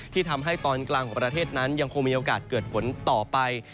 ทำให้ตอนกลางของประเทศนั้นยังคงมีโอกาสเกิดฝนต่อไป